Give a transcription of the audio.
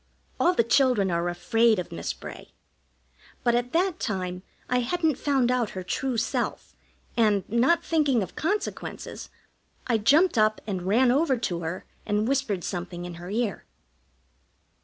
All the children are afraid of Miss Bray; but at that time I hadn't found out her true self, and, not thinking of consequences, I jumped up and ran over to her and whispered something in her ear.